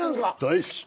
大好き！